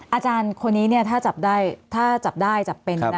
อาจารย์คนนี้ถ้าจับได้ถ้าจับได้จับเป็นนะ